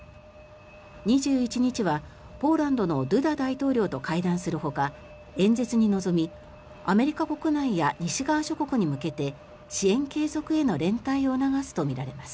２１日はポーランドのドゥダ大統領と会談するほか演説に臨みアメリカ国内や西側諸国に向けて支援継続への連帯を促すとみられます。